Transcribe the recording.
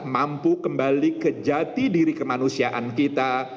mampu kembali ke jati diri kemanusiaan kita